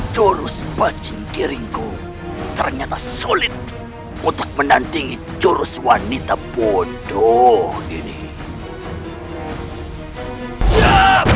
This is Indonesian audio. jangan lupa like share dan subscribe